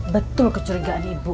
betul kecurigaan ibu